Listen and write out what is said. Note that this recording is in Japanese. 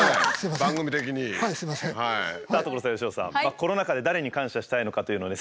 コロナ禍で誰に感謝したいのかというのをね